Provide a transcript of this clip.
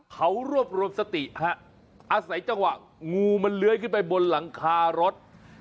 เขารวบรวมสติฮะอาศัยจังหวะงูมันเลื้อยขึ้นไปบนหลังคารถ